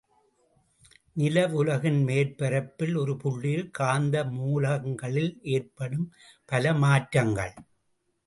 நிலவுலகின் மேற்பரப்பில் ஒரு புள்ளியில் காந்த மூலங்களில் ஏற்படும் பலமாற்றங்கள்.